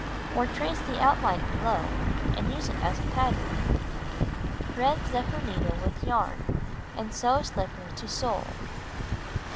Or trace the outline below, and use it as a pattern. Thread zephyr needle with yarn, and sew slipper to sole.